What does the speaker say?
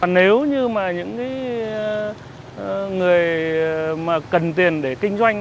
nếu như mà những người mà cần tiền để kinh doanh